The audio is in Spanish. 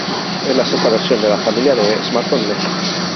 Es la sexta versión de la familia de smartphones Nexus.